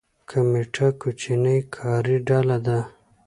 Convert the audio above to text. کمیټه کوچنۍ کاري ډله ده